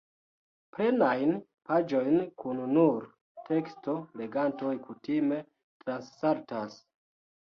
Plenajn paĝojn kun nur teksto legantoj kutime transsaltas.